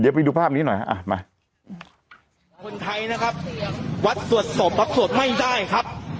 เดี๋ยวไปดูภาพนี้หน่อยอะมา